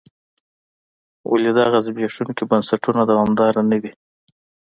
ولې دغه زبېښونکي بنسټونه دوامداره نه وي.